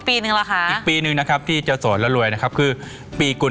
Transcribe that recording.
อีกปีหนึ่งเช่นหนึ่งคือปีกุ้น